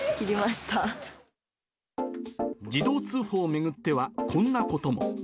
自動通報を巡っては、こんなことも。